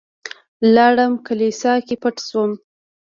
لاړم کليسا کې پټ شوم.